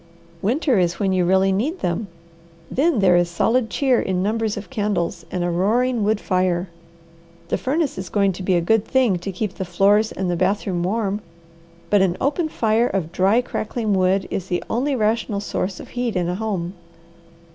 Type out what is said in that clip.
Winter is when you really need them. Then there is solid cheer in numbers of candles and a roaring wood fire. The furnace is going to be a good thing to keep the floors and the bathroom warm, but an open fire of dry, crackling wood is the only rational source of heat in a home.